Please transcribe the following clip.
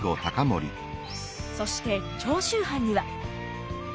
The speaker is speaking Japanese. そして長州藩には。